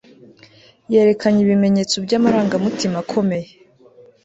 Yerekanye ibimenyetso byamarangamutima akomey